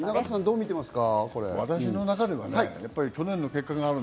中畑さん、どう見ていますか？